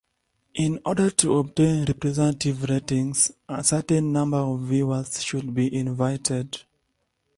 In order to obtain representative ratings, a certain number of viewers should be invited.